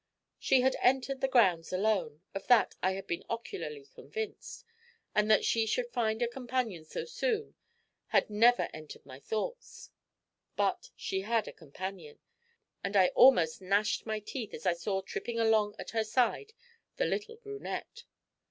She had entered the grounds alone of that I had been ocularly convinced; and that she should find a companion so soon had never entered my thoughts. But she had a companion, and I almost gnashed my teeth as I saw tripping along at her side the little brunette.